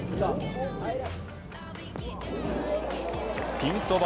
ピンそば